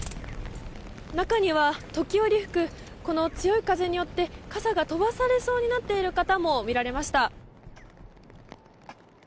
中には、時折吹く強い風によって傘が飛ばされそうになっている方も見られました。